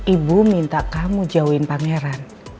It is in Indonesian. ibu minta kamu jauhin pangeran